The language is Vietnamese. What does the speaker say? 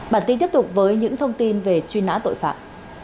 bản tin tiếp tục với những thông tin về truy nã tội phạm